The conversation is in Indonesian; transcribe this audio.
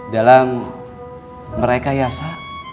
dalam merayak yasa